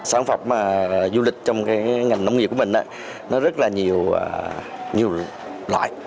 sản phẩm du lịch trong cái ngành nông nghiệp của mình nó rất là nhiều loại